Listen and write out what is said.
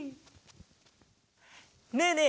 ねえねえ